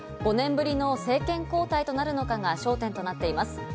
５年ぶりの政権交代となるのかが焦点となっています。